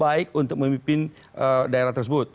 baik untuk memimpin daerah tersebut